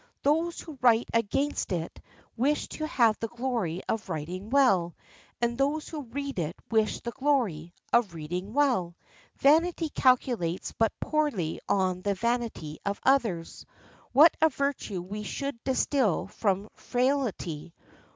Those who write against it wish to have the glory of writing well, and those who read it wish the glory of reading well. Vanity calculates but poorly on the vanity of others. What a virtue we should distill from frailty!